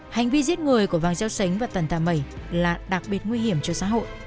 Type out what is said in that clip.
hành vi giết người của vàng xeo xánh và tần tà mẩy là đặc biệt nguy hiểm cho xã hội